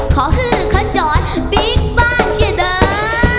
ขอคือเขาจอดบิ๊กบ้านเชียดเตอร์